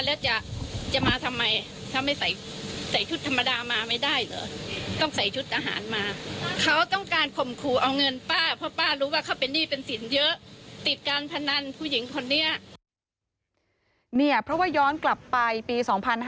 เพราะว่าย้อนกลับไปปี๒๕๕๙